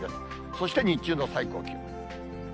そして日中の最高気温。